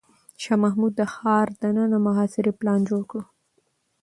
شاه محمود د ښار دننه د محاصرې پلان جوړ کړ.